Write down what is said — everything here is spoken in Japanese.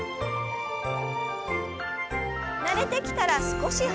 慣れてきたら少し速く。